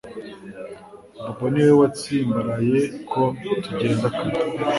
Bobo niwe watsimbaraye ko tugenda kare